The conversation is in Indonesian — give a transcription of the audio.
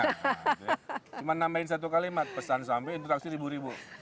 cuma nambahin satu kalimat pesan sampai interaksi ribu ribu